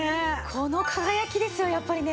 この輝きですよやっぱりね。